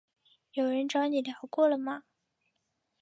有人找你聊过了吗？